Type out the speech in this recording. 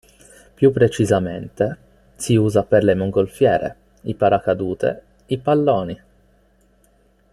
Più precisamente, si usa per le mongolfiere, i paracadute, i palloni.